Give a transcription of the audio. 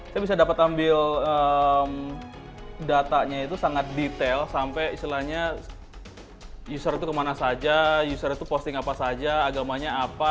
saya bisa dapat ambil datanya itu sangat detail sampai istilahnya user itu kemana saja user itu posting apa saja agamanya apa